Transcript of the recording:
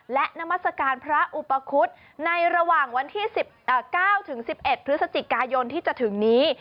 และนามัศกาลพระอุปคุฎในระหว่างวันที่๑๙๑๑พฤศจิกายนที่จะถึงนี้